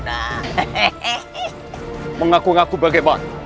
jangan mengaku aku ranggabwana